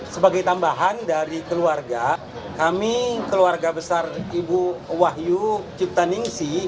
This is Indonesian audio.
sebagai tambahan dari keluarga kami keluarga besar ibu wahyu ciptaningsi